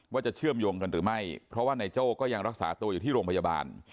เชื่อมโยงกันหรือไม่เพราะว่านายโจ้ก็ยังรักษาตัวอยู่ที่โรงพยาบาล